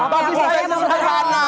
bagi saya itu sederhana